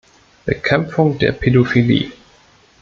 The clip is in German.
Bekämpfung der Pädophilie.